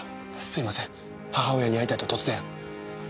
すいません母親に会いたいと突然。